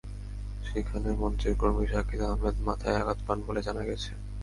সেখানে মঞ্চের কর্মী শাকিল আহমেদ মাথায় আঘাত পান বলে জানা গেছে।